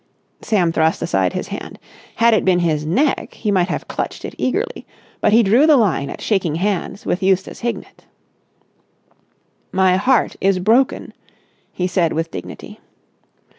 Sam thrust aside his hand. Had it been his neck he might have clutched it eagerly, but he drew the line at shaking hands with Eustace Hignett. "My heart is broken," he said with dignity.